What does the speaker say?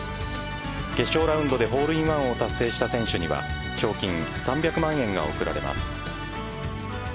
決勝ラウンドでホールインワンを達成した選手には賞金３００万円が贈られます。